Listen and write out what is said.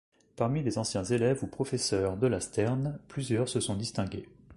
Parmi les anciens élèves ou professeurs de la Stern, plusieurs se sont distingués.